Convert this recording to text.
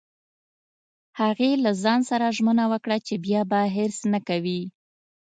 هغې له ځان سره ژمنه وکړه چې بیا به حرص نه کوي